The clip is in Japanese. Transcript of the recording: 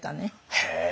へえ。